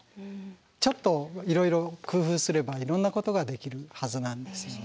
ちょっといろいろ工夫すればいろんなことができるはずなんですよね。